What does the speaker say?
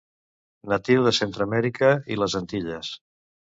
Natiu de Centreamèrica i les Antilles.